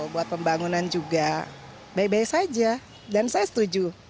buat pembangunan juga baik baik saja dan saya setuju